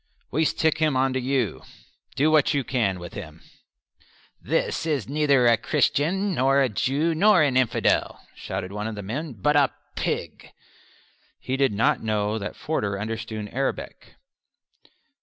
"We stick him on to you; do what you can with him." "This is neither a Christian, nor a Jew, nor an infidel," shouted one of the men, "but a pig." He did not know that Forder understood Arabic.